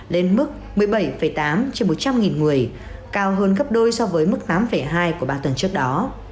số ca mắc covid một mươi chín trên ngày lên mức một mươi bảy tám trên một trăm linh người cao hơn gấp đôi so với mức tám hai của ba tuần trước đó